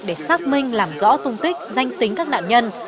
để xác minh làm rõ tung tích danh tính các nạn nhân